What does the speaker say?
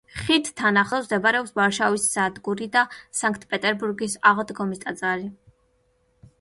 ხიდთან ახლოს მდებარეობს ვარშავის სადგური და სანქტ-პეტერბურგის აღდგომის ტაძარი.